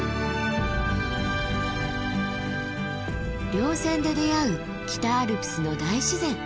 稜線で出会う北アルプスの大自然。